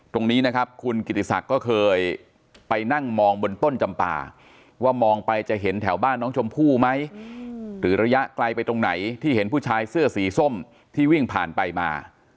ตรงนี้นะครับคุณกิติศักดิ์ก็เคยไปนั่งมองบนต้นจำปาว่ามองไปจะเห็นแถวบ้านน้องชมพู่ไหมหรือระยะไกลไปตรงไหนที่เห็นผู้ชายเสื้อสีส้มที่วิ่งผ่านไปมา